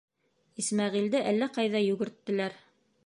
Исмәғилде әллә ҡайҙа йүгерттеләр.